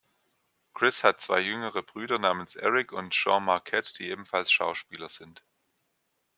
Chris hat zwei jüngere Brüder namens Eric und Sean Marquette, die ebenfalls Schauspieler sind.